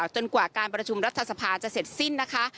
จนกว่าการประชุมรัฐสภาจะเสร็จสิ้นนะคะ